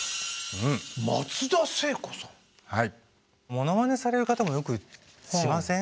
モノマネされる方もよくしません？